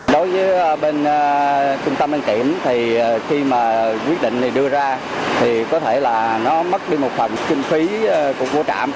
đối với bên trung tâm đăng kiểm thì khi mà quyết định này đưa ra thì có thể là nó mất đi một phần kinh phí của trạm